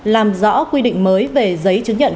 làm rõ quy định mới về giấy chứng nhận